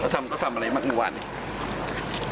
แล้วทำอะไรมากมือวานเนี่ย